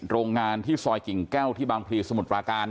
โรงงานที่ซอยกิ่งแก้วที่บางพลีสมุทรปราการ